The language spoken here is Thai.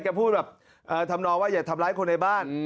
พูดแบบทำนองว่าอย่าทำร้ายคนในบ้าน